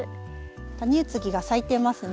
タニウツギが咲いてますね。